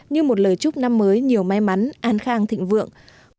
như một lời chúc năm mới nhiều may mắn an khang thịnh vượng